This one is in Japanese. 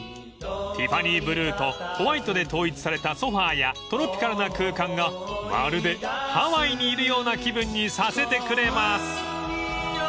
［ティファニーブルーとホワイトで統一されたソファやトロピカルな空間がまるでハワイにいるような気分にさせてくれます］